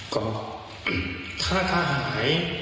ก็ถ้าหาย